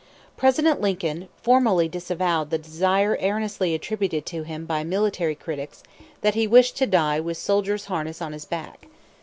President Lincoln formally disavowed the desire erroneously attributed to him by military critics that he wished to die "with soldiers' harness on his back."